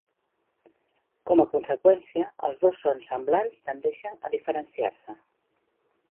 Com a conseqüència, els dos sons semblants tendeixen a diferenciar-se.